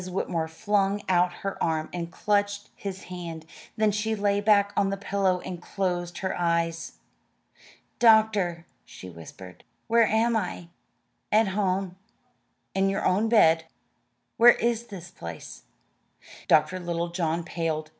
Whitmore flung out her arm and clutched his hand; then she lay back on the pillow and closed her eyes. "Doctor," she whispered, "where am I?" "At home, in your own bed." "Where is this place?" Dr. Littlejohn paled.